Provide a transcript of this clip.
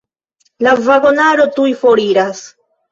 La vagonaro tuj foriras.